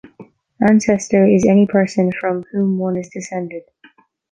"Ancestor" is "any person from whom one is descended.